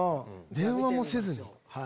電話もせずに。